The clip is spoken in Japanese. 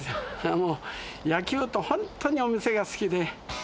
もう、野球と本当にお店が好きで。